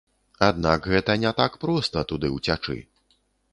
Аднак гэта не так проста туды ўцячы.